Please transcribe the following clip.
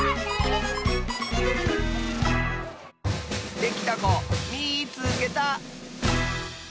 できたこみいつけた！